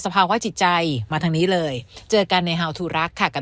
ภาวะจิตใจมาทางนี้เลยเจอกันในฮาวทูรักษ์ค่ะกับ